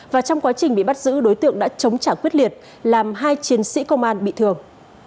và trong quá trình bị bắt giữ đối tượng đã chống trả quyết liệt làm hai chiến sĩ công an bị thương